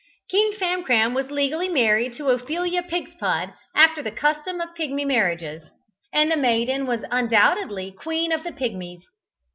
King Famcram was legally married to Ophelia Pigspud after the custom of Pigmy marriages, and the maiden was undoubtedly Queen of the Pigmies.